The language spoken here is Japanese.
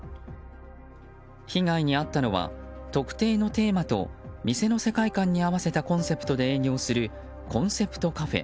被害に遭ったのは特定のテーマと店の世界観に合わせたコンセプトで営業するコンセプトカフェ。